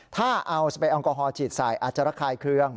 ถ้าเอาสเปรยแอลกอฮอลฉีดใส่อาจจะระคายเครื่อง